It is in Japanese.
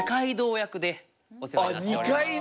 役でお世話になっておりまして。